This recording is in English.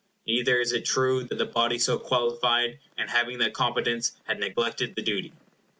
Neither is it true that the body so qualified, and having that competence, had neglected the duty.